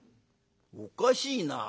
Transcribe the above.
「おかしいな。